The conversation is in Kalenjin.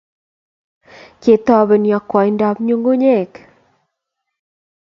Ketoben yakwaindab nyukunyek